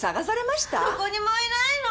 どこにもいないの。